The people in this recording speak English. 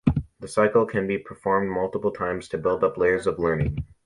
The cycle can be performed multiple times to build up layers of learning.